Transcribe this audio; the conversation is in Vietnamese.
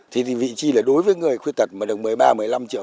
thì vị trí là đối với người khuyết tật mà được một mươi ba một mươi năm triệu